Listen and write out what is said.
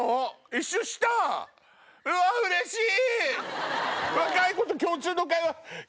一周した⁉うわうれしい！